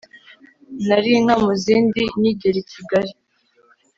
Nari inka mu zindi nyigera I Kigali